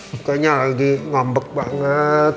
makanya lagi ngambek banget